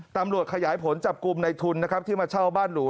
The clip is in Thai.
ตำรวจขยายผลจับกลุ่มในทุนนะครับที่มาเช่าบ้านหรู